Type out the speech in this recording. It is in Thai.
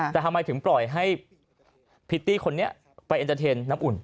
แต่ทำไมถึงปล่อยให้พริตตี้คนนี้ไปเอ็นเตอร์เทนน้ำอุ่น